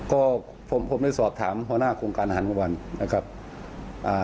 ก็ผมผมได้สอบถามหัวหน้าโครงการอาหารกลางวันนะครับอ่า